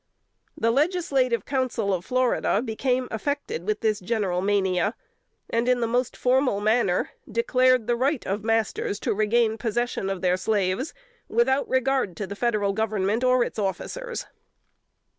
The Legislative Council of Florida became affected with this general mania, and in the most formal manner declared the right of masters to regain possession of their slaves, without regard to the Federal Government or its officers.